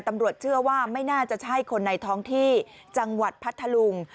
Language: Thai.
ตำรวจเชื่อว่าไม่น่าจะใช่คนในท้องที่จังหวัดพัทธลุง